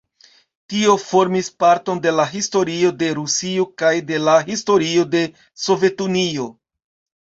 Tio formis parton de la historio de Rusio kaj de la historio de Sovetunio.